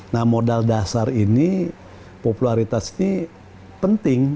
nah modal dasar ini popularitas ini penting